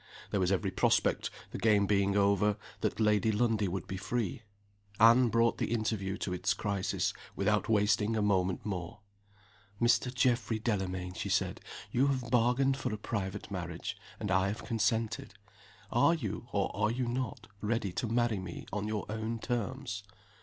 There was every prospect, the game being over, that Lady Lundie would be free. Anne brought the interview to its crisis, without wasting a moment more. "Mr. Geoffrey Delamayn," she said. "You have bargained for a private marriage, and I have consented. Are you, or are you not, ready to marry me on your own terms?"